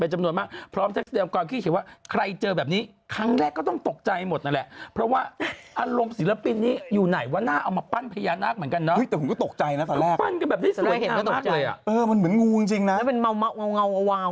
หมายถึงมันเป็นปูนอะไรวะ